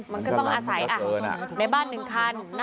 มันก็ต้องอาศัยในบ้าน๑คันหน้าบ้านตัวเอง๑คัน